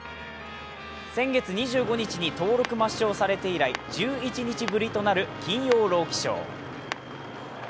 先月２５日に登録抹消されて以来１１日ぶりとなる「金曜ロウキショー」。